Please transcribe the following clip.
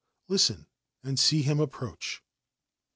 Listen, and see him approach